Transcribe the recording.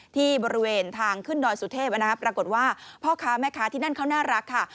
ที่บริเวณทางขึ้นดอยสุเทพปรากฏว่าพ่อค้าแม่ค้าที่นั่นเขาน่ารักค่ะ